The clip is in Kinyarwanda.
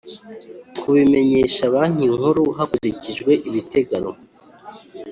kubimenyesha Banki Nkuru hakurikije ibiteganywa